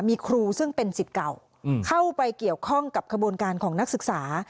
มีครูซึ่งเป็นสิทธิ์เก่าเข้าไปเกี่ยวข้องกับขบวนการของนักศึกษา